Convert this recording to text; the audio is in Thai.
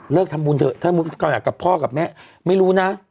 ทำบุญเถอะถ้าอยากกับพ่อกับแม่ไม่รู้นะ